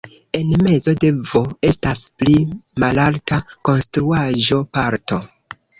En mezo de "V" estas pli malalta konstruaĵo-parto.